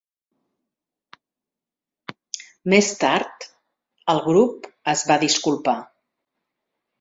Més tard, el grup es va disculpar.